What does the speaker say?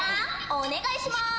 お願いします。